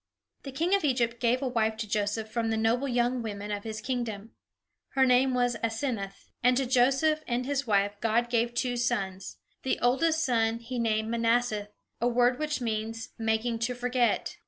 The king of Egypt gave a wife to Joseph from the noble young women of his kingdom. Her name was Asenath; and to Joseph and his wife God gave two sons. The oldest son he named Manasseh, a word which means "Making to Forget."